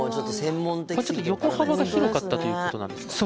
ちょっと横幅が広かったということなんですか？